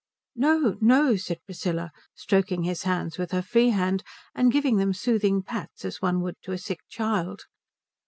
"No, no," said Priscilla, stroking his hands with her free hand and giving them soothing pats as one would to a sick child.